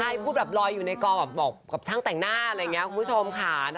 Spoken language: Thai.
ใช่พูดแบบลอยอยู่ในกองแบบบอกกับช่างแต่งหน้าอะไรอย่างนี้คุณผู้ชมค่ะ